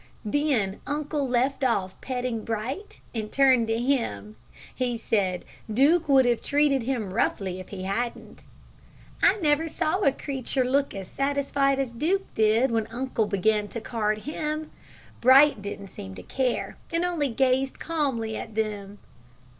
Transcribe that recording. Then uncle left off petting Bright, and turned to him. He said Duke would have treated him roughly, if he hadn't. I never saw a creature look as satisfied as Duke did, when uncle began to card him. Bright didn't seem to care, and only gazed calmly at them."